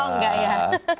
oh enggak ya